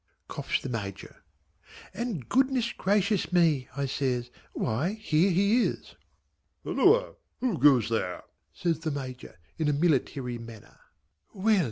coughs the Major. "And good gracious me" I says, "why here he is!" "Halloa! who goes there?" says the Major in a military manner. "Well!"